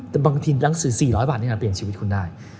แต่บางทีหนังสือ๔๐๐บาทในการเปลี่ยนชีวิตคุณได้